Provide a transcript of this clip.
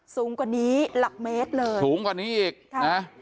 สูงกว่านี้หลักเมตรเลยสูงกว่านี้อีกค่ะนะ